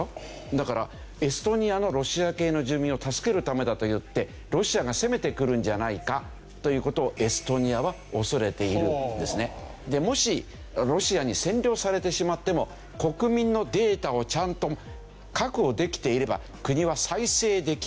だからエストニアのロシア系の住民を助けるためだといってロシアが攻めてくるんじゃないかという事をもしロシアに占領されてしまっても国民のデータをちゃんと確保できていれば国は再生できる。